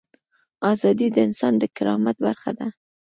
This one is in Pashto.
ازادي د انسان د کرامت برخه ده.